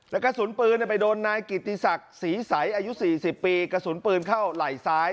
และกระสุนปืนไปโดนนายกิติศักดิ์ศรีใสอายุ๔๐ปีกระสุนปืนเข้าไหล่ซ้าย